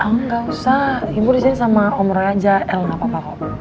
oh gak usah ibu disini sama om roy aja el gak apa apa kok